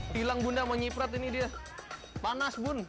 tilang bunda menyiprat ini dia panas bun